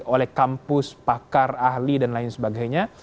oleh kampus pakar ahli dan lain sebagainya